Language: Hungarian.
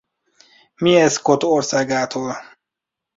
Mieszkot országától.